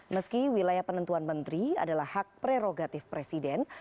meski wilayah penentuan menteri adalah hak prerogatif presiden